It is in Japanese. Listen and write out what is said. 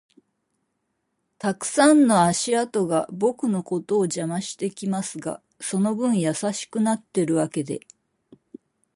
たくさんの足跡が僕のことを邪魔してきますが、その分優しくなってるわけで